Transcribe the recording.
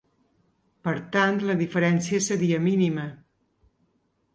Per tant, la diferència seria mínima.